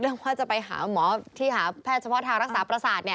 เรื่องว่าจะไปหาหมอที่หาแพทย์ชะพอทางรักษาประสาท